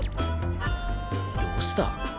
どうした？